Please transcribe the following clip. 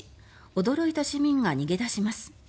驚いた市民が逃げ出します。